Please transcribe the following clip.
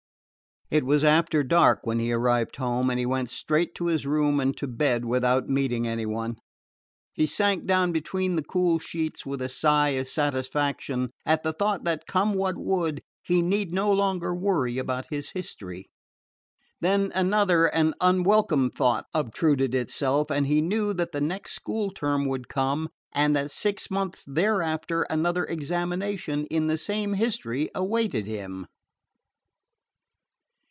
It was after dark when he arrived home, and he went straight to his room and to bed without meeting any one. He sank down between the cool sheets with a sigh of satisfaction at the thought that, come what would, he need no longer worry about his history. Then another and unwelcome thought obtruded itself, and he knew that the next school term would come, and that six months thereafter, another examination in the same history awaited him.